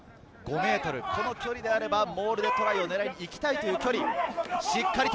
５ｍ、この距離であればモールでトライを取りに行きたいという距離。